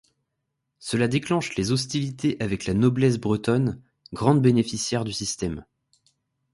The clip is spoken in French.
Cela déclenche les hostilités avec la noblesse bretonne, grande bénéficiaire du système.